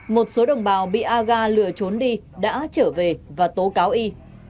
một số đồng bào bị aga lừa trốn đi đã trở về và tố cáo y